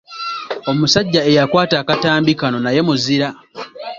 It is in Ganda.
Omusajja eyakwata akatambi kano naye muzira.